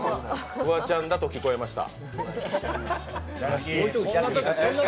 フワちゃんだと聞こえました。